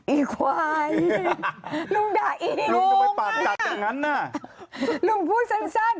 อีหวายลุงด่าอีหวงมาก